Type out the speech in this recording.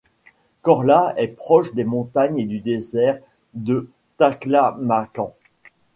Korla est proche des montagnes et du désert de Taklamakan.